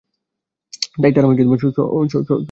তাই তারা সহজ পথ বেছে নিলেন।